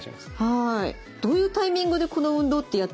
はい。